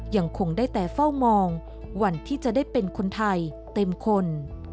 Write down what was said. ยังคงได้แต่เฝ้ามองวันที่จะได้เป็นคนไทยเต็มคน